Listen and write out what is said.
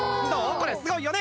これすごいよね！